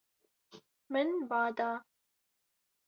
Min ba da.